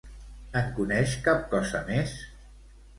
En coneix cap cosa més?